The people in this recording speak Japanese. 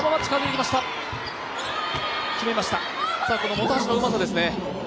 本橋のうまさですね。